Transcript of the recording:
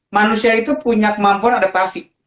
manusia itu punya kemampuan adaptasi